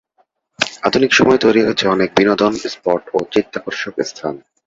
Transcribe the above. আধুনিক সময়ে তৈরী হয়েছে অনেক বিনোদন স্পট ও চিত্তাকর্ষক স্থান।